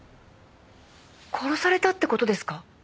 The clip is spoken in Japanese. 殺されたって事ですか？